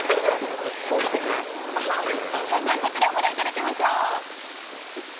まずはこちらをご覧いただきましょう。